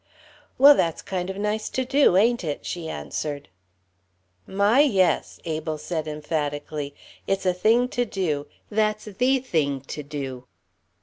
"Well, that's kind of nice to do, ain't it?" she answered. "My, yes," Abel said, emphatically, "It's a thing to do that's the thing to do."